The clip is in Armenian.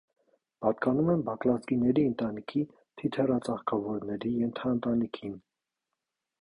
Պատկանում են բակլազգիների ընտանիքի թիթեռածաղկավորների ենթաընտանիքին։